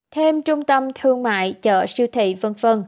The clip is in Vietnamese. thêm trung tâm thương mại chợ siêu thị v v